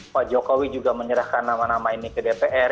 pak jokowi juga menyerahkan nama nama ini ke dpr